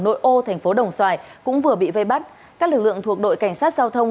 nội ô tp đồng xoài cũng vừa bị vây bắt các lực lượng thuộc đội cảnh sát giao thông